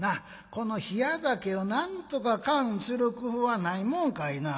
この冷や酒をなんとか燗する工夫はないもんかいなあ」。